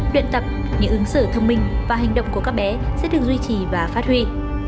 luyện tập những ứng xử thông minh và hành động của các bé sẽ được duy trì và phát huy